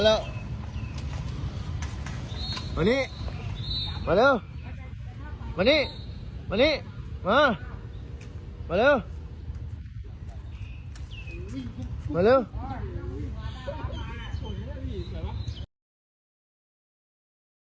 เดี๋ยวเจ้าของก็มาแล้ว